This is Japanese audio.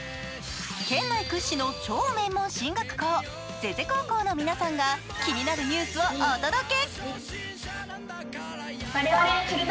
県内屈指の超名門進学校膳所高校の皆さんが気になるニュースをお届け。